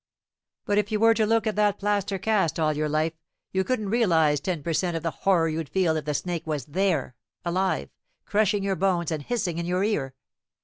But if you were to look at that plaster cast all your life, you couldn't realize ten per cent of the horror you'd feel if the snake was there, alive, crushing your bones, and hissing in your ear.